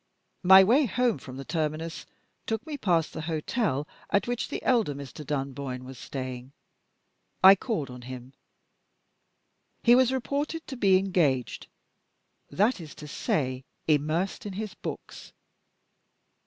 My way home from the terminus took me past the hotel at which the elder Mr. Dunboyne was staying. I called on him. He was reported to be engaged; that is to say, immersed in his books.